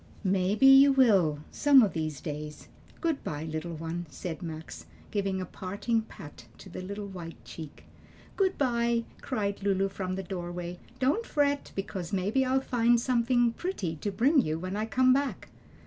"Maybe you will, some o' these days. Good by, little one," said Max, giving a parting pat to the little white cheek. "Good by," cried Lulu from the doorway; "don't fret, because maybe I'll find something pretty to bring you when I come back."